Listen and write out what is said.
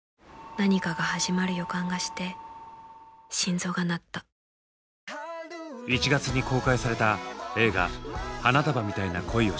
何かが始まる予感がして心臓が鳴った１月に公開された映画「花束みたいな恋をした」。